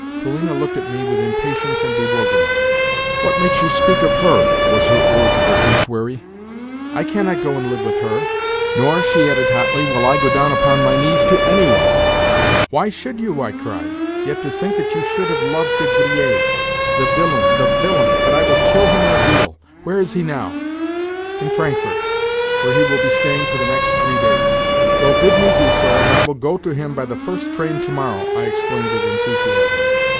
Polina looked at me with impatience and bewilderment. "What makes you speak of her?" was her irritable inquiry. "I cannot go and live with her. Nor," she added hotly, "will I go down upon my knees to any one." "Why should you?" I cried. "Yet to think that you should have loved De Griers! The villain, the villain! But I will kill him in a duel. Where is he now?" "In Frankfort, where he will be staying for the next three days." "Well, bid me do so, and I will go to him by the first train tomorrow," I exclaimed with enthusiasm.